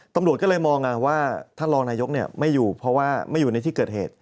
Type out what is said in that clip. ตำรวจก็เลยมองว่าท่านรองนายกไม่อยู่เพราะว่าไม่อยู่ในที่เกิดเหตุ